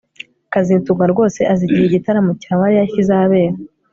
kazitunga rwose azi igihe igitaramo cya Mariya kizabera